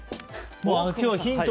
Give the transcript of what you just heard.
今日ヒント